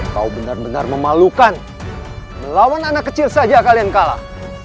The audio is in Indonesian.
kau benar benar memalukan melawan anak kecil saja kalian kalah